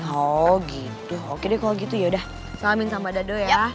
oh gitu oke deh kalau gitu yaudah salamin sama dado ya